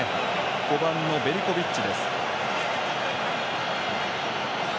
５番のベリコビッチです。